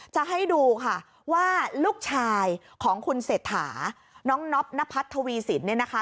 จะให้ดูค่ะว่าลูกชายของคุณเศรษฐาน้องน็อบนพัฒนทวีสินเนี่ยนะคะ